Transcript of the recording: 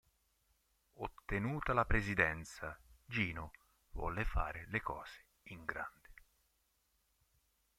Ottenuta la presidenza, Gino volle fare le cose in grande.